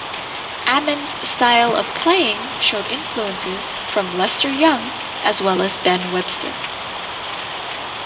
Ammons's style of playing showed influences from Lester Young as well as Ben Webster.